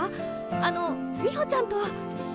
あの美穂ちゃんと。